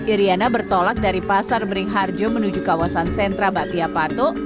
iryana bertolak dari pasar beringharjo menuju kawasan sentra bapia pato